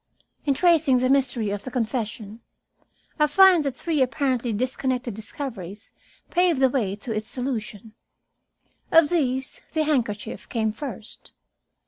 In tracing the mystery of the confession, I find that three apparently disconnected discoveries paved the way to its solution. Of these the handkerchief came first.